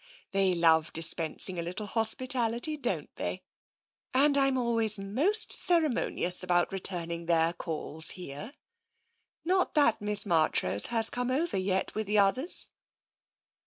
They love dispensing a little hospitality, don't they, and I'm always most ceremoni ous about returning their calls here. Not that Miss Marchrose has come over yet with the others."